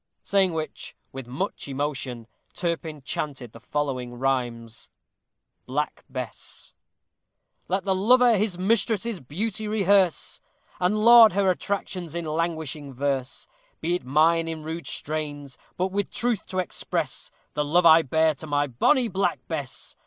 Saying which, with much emotion, Turpin chanted the following rhymes: BLACK BESS Let the lover his mistress's beauty rehearse, And laud her attractions in languishing verse; Be it mine in rude strains, but with truth to express, The love that I bear to my bonny Black Bess.